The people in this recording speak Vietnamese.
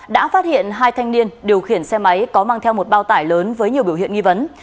đã phát hiện hai thanh niên điều khiển xe máy có mang theo một bao tải lớn với nhiều biểu hiện nghi vấn